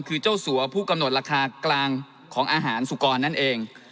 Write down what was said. คือเจ้าสัวผู้กำหนดราคากลางของอาหารสุกรนั่นเอง